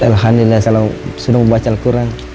alhamdulillah selalu membaca al quran